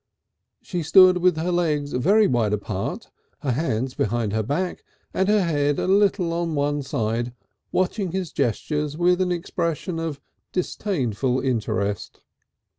She stood with her legs very wide apart, her hands behind her back, and her head a little on one side, watching his gestures with an expression of disdainful interest.